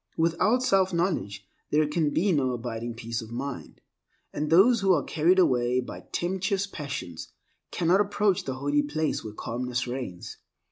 Without self knowledge there can be no abiding peace of mind, and those who are carried away by tempestuous passions cannot approach the holy place where calmness reigns.